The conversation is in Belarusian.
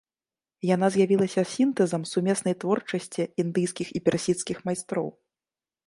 Яна з'явілася сінтэзам сумеснай творчасці індыйскіх і персідскіх майстроў.